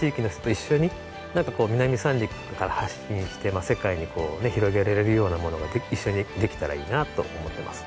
南三陸から発信して世界に広げられるようなものが一緒にできたらいいなと思ってます。